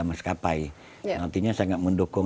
maskapai nantinya saya nggak mendukung